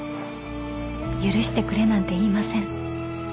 許してくれなんて言いません］